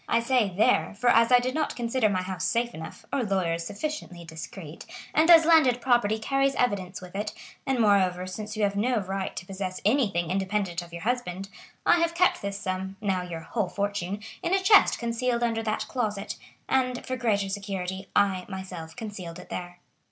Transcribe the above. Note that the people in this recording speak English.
I say there, for as I did not consider my house safe enough, or lawyers sufficiently discreet, and as landed property carries evidence with it, and moreover since you have no right to possess anything independent of your husband, I have kept this sum, now your whole fortune, in a chest concealed under that closet, and for greater security I myself concealed it there.